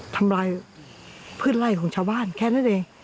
ทำลายพืชไล่ของชาวบ้านแค่นั้นเอง